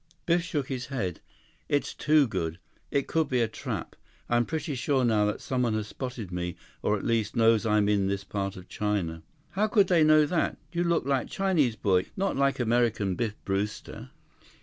113 Biff shook his head. "It's too good. It could be a trap. I'm pretty sure now that someone has spotted me, or at least, knows I'm in this part of China." "How could they know that? You look like Chinese boy, not like American Biff Brewster."